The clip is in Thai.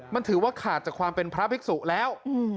มันถือว่าขาดจากความเป็นพระภิกษุแล้ว